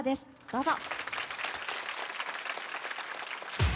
どうぞ。